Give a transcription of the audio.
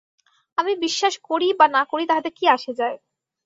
আমি বিশ্বাস করি বা না করি, তাহাতে কী আসে যায়।